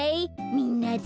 みんなで。